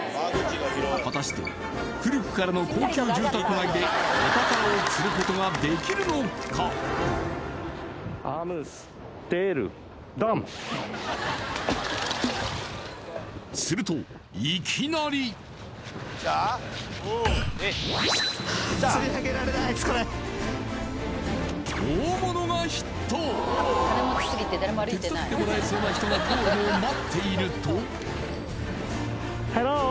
果たして古くからの高級住宅街でお宝を釣ることができるのかアムステルダムするといきなりこれ手伝ってもらえそうな人が通るのを待っているとハロー！